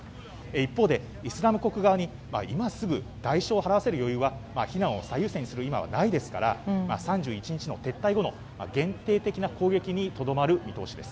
一方でイスラム国側に今すぐ代償を払わせる余裕や避難を最優先する今はないですから３１日の撤退後の限定的な攻撃にとどまる見通しです。